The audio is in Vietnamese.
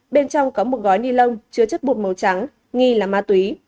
bên trong có một gói ni lông chứa chất bột màu trắng nghi là ma túy